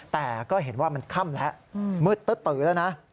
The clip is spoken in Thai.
แต่ก็เห็นว่ามันค่ำแล้วมืดตื้อแล้วนะ